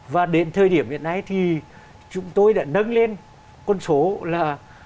và đến thời điểm hiện nay thì chúng tôi đã nâng lên con số là